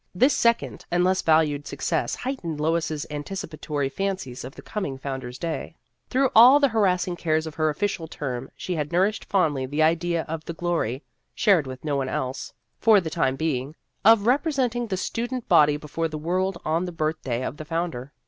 This second and less valued success heightened Lois's anticipatory fancies of the coming Founder's Day. Through all the harassing cares of her official term, she had nourished fondly the idea of the glory, shared with no one else for the 56 Vassar Studies time being, of representing the student body before the world on the birthday of the founder.